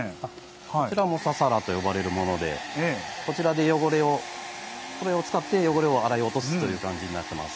こちらもササラと呼ばれるものでこちらで汚れをこれを使って汚れを洗い落とすという感じになっています。